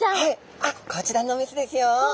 あっこちらのお店ですよ！